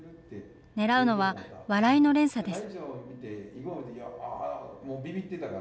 ねらうのは、笑いの連鎖です。